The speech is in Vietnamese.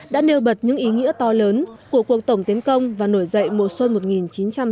đã nêu bật những ý nghĩa to lớn của cuộc tổng tiến công và nổi dậy mùa xuân một nghìn chín trăm năm mươi